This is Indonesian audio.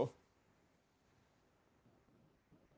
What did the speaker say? spesifikasi ini terlihat nah baru